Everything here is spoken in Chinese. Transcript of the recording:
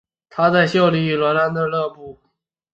他现在效力于克罗地亚球队萨格勒布。